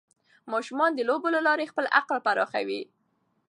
ماشومان د لوبو له لارې خپل عقل پراخوي.